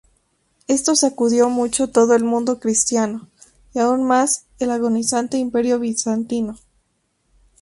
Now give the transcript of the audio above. Esto sacudió mucho todo el mundo cristiano, y aún más el agonizante Imperio bizantino.